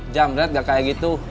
jamret gak kayak gitu